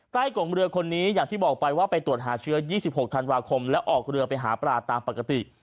กงเรือคนนี้อย่างที่บอกไปว่าไปตรวจหาเชื้อ๒๖ธันวาคมและออกเรือไปหาปลาตามปกติ